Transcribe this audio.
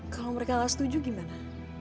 kalau mereka nggak setuju gimana